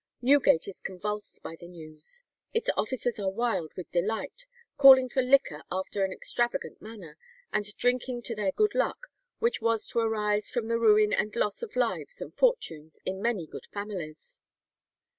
Newgate is convulsed by the news. Its officers are wild with delight, "calling for liquor after an extravagant manner, and drinking to their good luck, which was to arise from the ruin and loss of lives and fortunes in many good families."